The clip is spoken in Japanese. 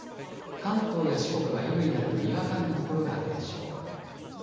関東や四国は夜になるとにわか雨の所があるでしょう。